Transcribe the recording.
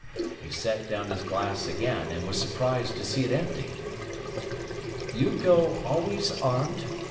He set down his glass again, and was surprised to see it empty. 'You go always armed?'